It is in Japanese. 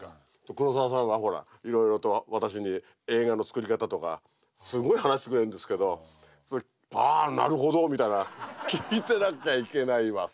黒澤さんはほらいろいろと私に映画の作り方とかすごい話してくれるんですけどああなるほどみたいな聞いてなきゃいけないわさ。